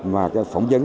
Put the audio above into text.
mà cái phỏng vấn